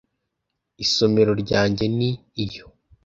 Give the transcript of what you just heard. Isomero ryanjye ni iyo